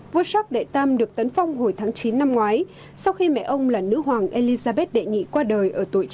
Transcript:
vua jacques iii được tấn phong hồi tháng chín năm ngoái sau khi mẹ ông là nữ hoàng elizabeth đệ nhị qua đời ở tuổi chín mươi sáu